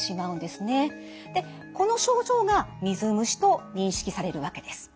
この症状が水虫と認識されるわけです。